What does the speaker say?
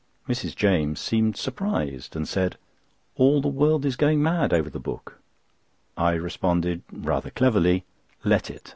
Mrs. James seemed surprised and said: "All the world is going mad over the book." I responded rather cleverly: "Let it.